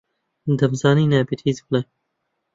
دەمزانی نابێت هیچ بڵێم.